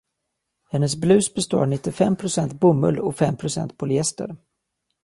Hennes blus består av nittiofem procent bomull och fem procent polyester.